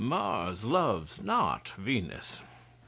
Mars loves not Venus.